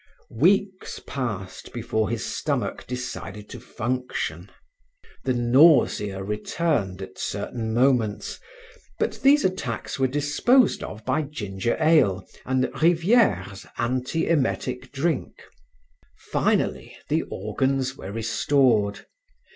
Weeks passed before his stomach decided to function. The nausea returned at certain moments, but these attacks were disposed of by ginger ale and Rivieres' antiemetic drink. Finally the organs were restored.